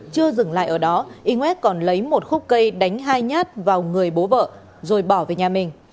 chưa dừng lại ở đó iwat còn lấy một khúc cây đánh hai nhát vào người bố vợ rồi bỏ về nhà mình